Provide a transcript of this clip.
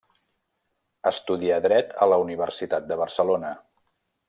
Estudià dret a la Universitat de Barcelona.